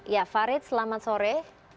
ya farid selamat sore